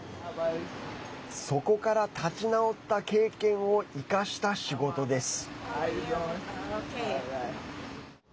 そこから立ち直った経験を生かした仕事です。